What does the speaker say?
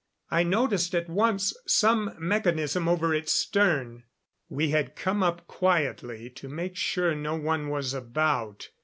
I noticed at once some mechanism over its stern. We had come up quietly to make sure no one was about.